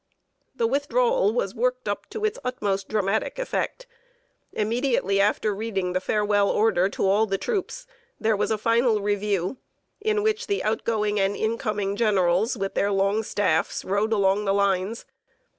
The withdrawal was worked up to its utmost dramatic effect. Immediately after reading the farewell order to all the troops, there was a final review, in which the outgoing and incoming generals, with their long staffs, rode along the lines.